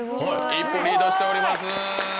一歩リードしております。